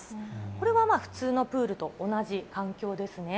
これはまあ普通のプールと同じ環境ですね。